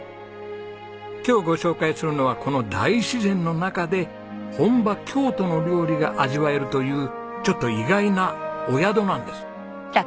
今日ご紹介するのはこの大自然の中で本場京都の料理が味わえるというちょっと意外なお宿なんです。